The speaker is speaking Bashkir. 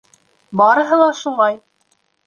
Барыһы ла шулай!